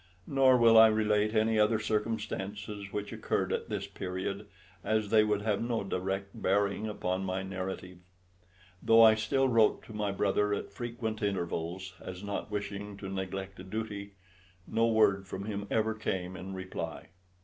Nor will I relate any other circumstances which occurred at this period, as they would have no direct bearing upon my narrative. Though I still wrote to my brother at frequent intervals, as not wishing to neglect a duty, no word from him ever came in reply.